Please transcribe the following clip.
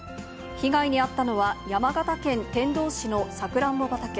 被害に遭ったのは、山形県天童市のサクランボ畑。